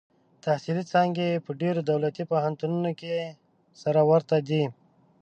تحصیلي څانګې په ډېرو دولتي پوهنتونونو کې سره ورته دي.